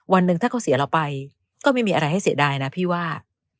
วันหนึ่งถ้าเขาเสียเราไปก็ไม่มีอะไรให้เสียดายนะพี่ว่า